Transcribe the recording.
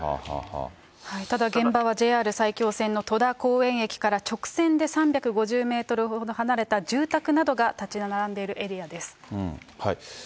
ただ現場はＪＲ埼京線の戸田公園駅から直線で３５０メートルほど離れた住宅などが建ち並んでいるエリアです。